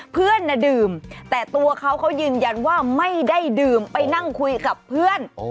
เพื่อนน่ะดื่มแต่ตัวเขาเขายืนยันว่าไม่ได้ดื่มไปนั่งคุยกับเพื่อน